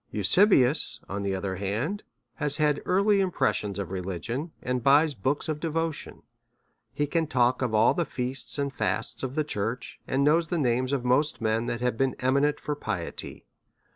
Eusebius, on the other hand, has had early impres sions of religion, and buys books of devotion. He can talk of all the feasts and fasts of the church, and knows the names of most men that have been eminent for piety.